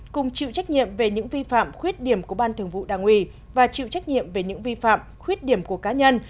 cùng chịu trách nhiệm về những vi phạm khuyết điểm của ban thường vụ đảng ủy và chịu trách nhiệm về những vi phạm khuyết điểm của cá nhân